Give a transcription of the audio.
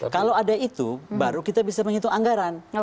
kalau ada itu baru kita bisa menghitung anggaran